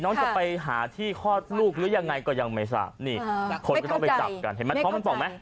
น้องจะไปหาที่คลอดลูกหรือยังไงก็ยังไม่ทราบ